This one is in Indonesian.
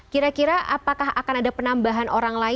kira kira apakah akan ada penambahan orang lain